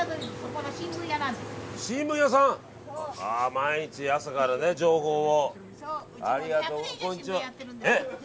毎日朝から情報を。